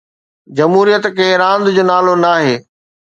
جمهوريت ڪنهن راند جو نالو ناهي.